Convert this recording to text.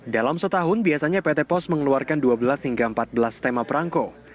dalam setahun biasanya pt pos mengeluarkan dua belas hingga empat belas tema perangko